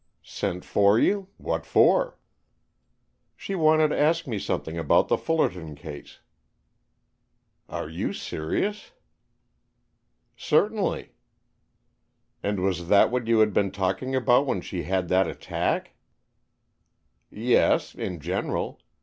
"Sent for you? What for?" "She wanted to ask me something about the Fullerton case." "Are you serious?" "Certainly." "And was that what you had been talking about when she had that attack?" "Yes, in general.